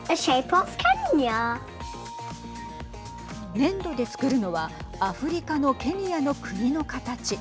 粘土で作るのはアフリカのケニアの国の形。